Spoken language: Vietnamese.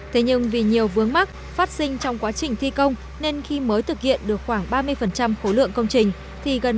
thế nhưng vì nhiều vướng mắc phát sinh trong quá trình thi công nên khi mới thực hiện được khoảng ba mươi khối lượng công trình